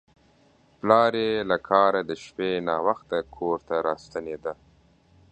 پلار یې له کاره د شپې ناوخته کور ته راستنېده.